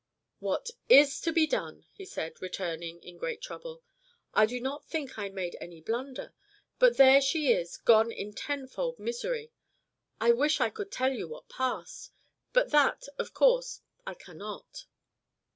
"What IS to be done?" he said, returning in great trouble. "I do not think I made any blunder, but there she is gone in tenfold misery! I wish I could tell you what passed, but that of course I cannot."